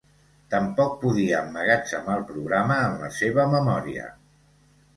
Tampoc podia emmagatzemar el programa en la seva memòria.